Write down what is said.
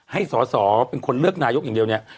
ให้สอสอเป็นคนเลือกนายกอย่างเดียวเนี่ย